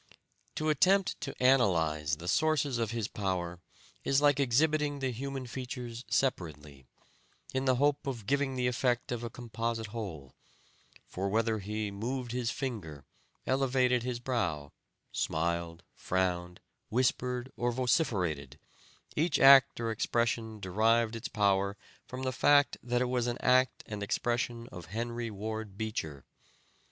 To attempt to analyze the sources of his power is like exhibiting the human features separately, in the hope of giving the effect of a composite whole; for whether he moved his finger, elevated his brow, smiled, frowned, whispered or vociferated, each act or expression derived its power from the fact that it was the act and expression of Henry Ward Beecher.